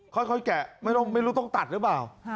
ค่อยแกะไม่รู้ต้องตัดรึเปล่า